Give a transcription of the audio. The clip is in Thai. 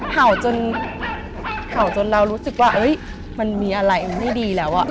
เห่าจนเห่าจนเรารู้สึกว่ามันมีอะไรไม่ดีแล้ว